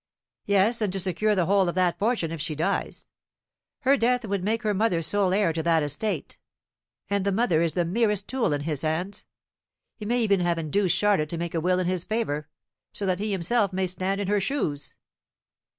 "Yes, and to secure the whole of that fortune if she dies. Her death would make her mother sole heir to that estate, and the mother is the merest tool in his hands. He may even have induced Charlotte to make a will in his favour, so that he himself may stand in her shoes."